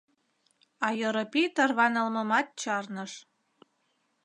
А Йоропий тарванылмымат чарныш.